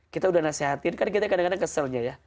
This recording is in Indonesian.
kita udah nasehatin kan kita kadang kadang keselnya ya